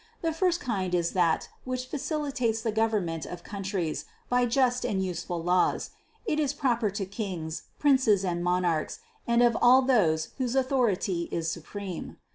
The first kind is that which facili tates the government of countries by just and useful laws ; it is proper to kings, princes and monarchs and of all those whose authority is supreme.